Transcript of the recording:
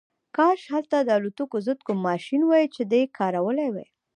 کاش هلته د الوتکو ضد کوم ماشین وای چې دی کارولی وای